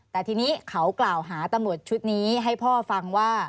แต่ทีนี้เขากล่าวหาตำรวจชุดนี้ให้พ่อฟังว่า